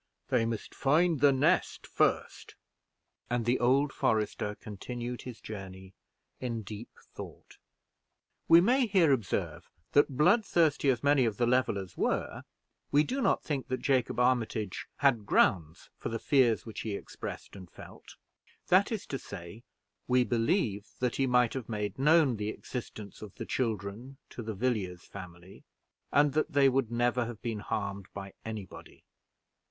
they must find the nest first." And the old forester continued his journey in deep thought. We may here observe that, blood thirsty as many of the Levelers were, we do not think that Jacob Armitage had grounds for the fears which he expressed and felt; that is to say, we believe that he might have made known the existence of the children to the Villiers family, and that they would never have been harmed by any body.